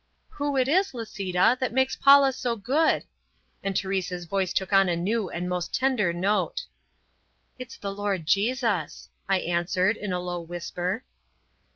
"Who it is, Lisita, that makes Paula so good?" and Teresa's voice took on a new and most tender note. "It's the Lord Jesus!" I answered in a low whisper.